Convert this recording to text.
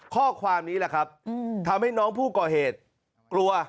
ข้อความนี้แหละครับทำให้น้องผู้ก่อเหตุกลัว